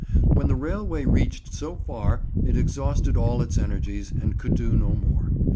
When the railway reached so far it exhausted all its energies and could do no more.